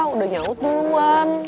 udah nyaut duluan